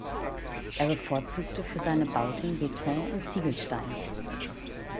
Er bevorzugte für seine Bauten Beton und Ziegelstein.